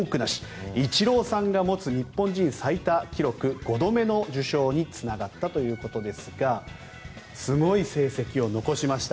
イチローさんが持つ日本人最多記録、５度目につながったということですがすごい成績を残しました。